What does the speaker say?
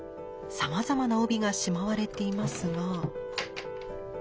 さまざまな帯がしまわれていますが。